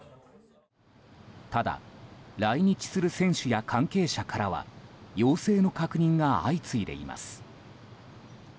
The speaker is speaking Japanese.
ただ、来日する選手や関係者からは陽性の確認が相次いでいます。